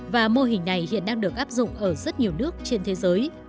và mô hình này hiện đang được áp dụng ở rất nhiều nước trên thế giới